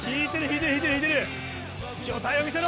魚体を見せろ。